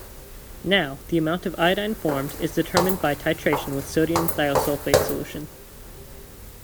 Now, the amount of iodine formed is determined by titration with sodium thiosulfate solution.